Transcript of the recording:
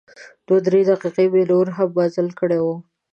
دوه درې دقیقې به مې نور هم مزل کړی و.